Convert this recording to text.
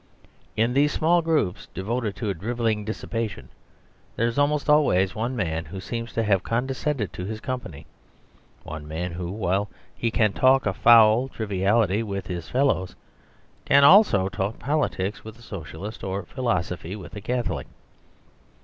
In these small groups devoted to a drivelling dissipation there is almost always one man who seems to have condescended to his company; one man who, while he can talk a foul triviality with his fellows, can also talk politics with a Socialist, or philosophy with a Catholic.